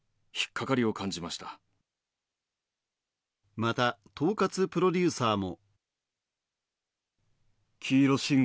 また統轄プロデューサーも。